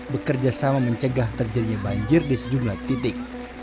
bekerja sama mencegah terjadinya banjir di sejumlah titik